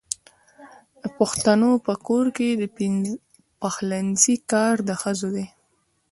د پښتنو په کور کې د پخلنځي کار د ښځو دی.